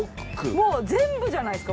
もう全部じゃないですか。